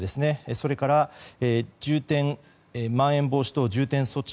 それから、まん延防止等重点措置